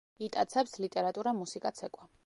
იტაცებს: ლიტერატურა, მუსიკა, ცეკვა.